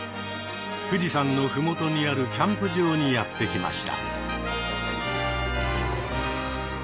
富士山の麓にあるキャンプ場にやって来ました。